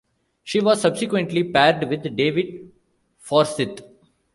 She was subsequently paired with David Forsyth.